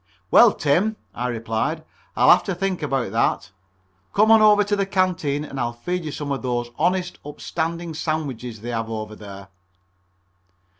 "Well, Tim," I replied, "I'll have to think about that. Come on over to the canteen and I'll feed you some of those honest, upstanding sandwiches they have over there."